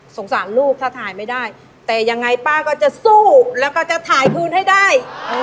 สารลูกถ้าถ่ายไม่ได้แต่ยังไงป้าก็จะสู้แล้วก็จะถ่ายคืนให้ได้